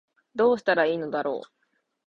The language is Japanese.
どうしたら良いのだろう